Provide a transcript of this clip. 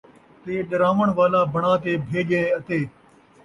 تے ݙراوݨ والا بݨا تے بھیڄئے اَتے